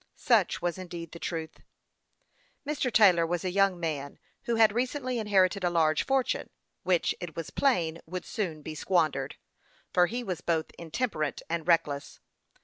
Such was indeed the truth. Mr. Taylor was a young man who had recently inherited a large fortune, which, it was plain, would soon be squandered, for he was both intemperate and reckless.